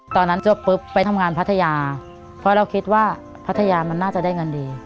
ตอนนั้นจบปุ๊บไปทำงานพัทยาเพราะเราคิดว่าพัทยามันน่าจะได้เงินดี